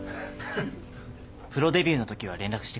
プロデビューのときは連絡してくれ。